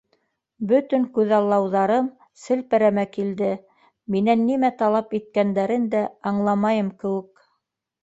Бөтөн күҙаллауҙарым селпәрәмә килде, минән нимә талап иткәндәрен дә аңламайым кеүек.